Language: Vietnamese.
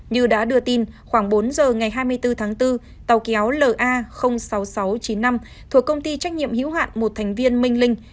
như đã đưa tin khoảng bốn giờ ngày hai mươi bốn tháng bốn tàu kéo la sáu nghìn sáu trăm chín mươi năm thuộc công ty trách nhiệm hữu hạn một thành viên minh linh